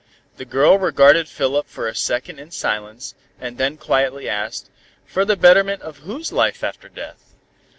The girl regarded Philip for a second in silence, and then quietly asked, "For the betterment of whose life after death?"